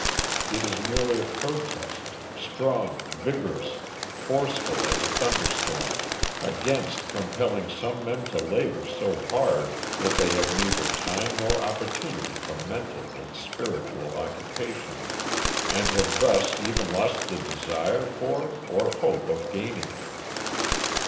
It is merely a protest, strong, vigorous, forceful as a thunder storm, against compelling some men to labor so hard that they have neither time nor opportunity for mental and spiritual occupation, and have thus even lost the desire for or hope of gaining it.